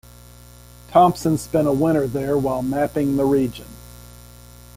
Thompson spent a winter there while mapping the region.